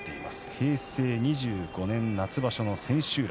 平成２５年夏場所千秋楽